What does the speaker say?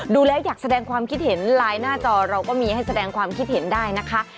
ดูแล้วอยากแสดงความคิดเห็นไลน์หน้าจอเราก็มีให้แสดงความคิดเห็นได้นะคะ